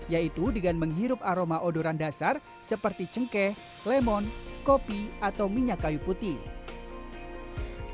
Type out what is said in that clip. yaitu dengan menghirup aroma odoran dasar seperti cengkeh lemon kopi atau minyak kayu putih